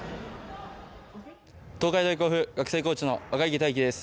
東海大甲府学生コーチの赤池泰樹です。